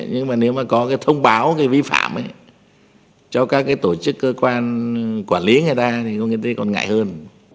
nhưng mà nếu mà có cái thông báo cái vi phạm ấy cho các cái tổ chức cơ quan quản lý người ta thì người ta còn ngại hơn